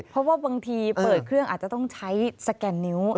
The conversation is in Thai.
เพราะว่าบางทีเปิดเครื่องอาจจะต้องใช้สแกนนิ้ว